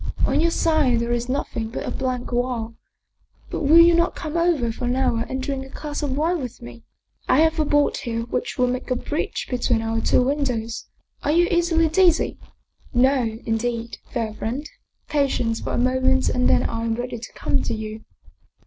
On your side there is nothing but a blank wall. But will you not come over for an hour and drink a glass of wine with me? I have a board here which will make a bridge between our two windows. Are you easily dizzy?" " No, indeed, fair friend. Patience for a moment and then I am ready to come to you."